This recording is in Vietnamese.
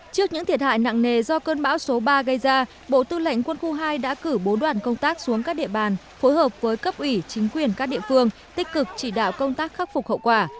trước những thiệt hại nặng nề do cơn bão số ba gây ra bộ tư lệnh quân khu hai đã cử bốn đoàn công tác xuống các địa bàn phối hợp với cấp ủy chính quyền các địa phương tích cực chỉ đạo công tác khắc phục hậu quả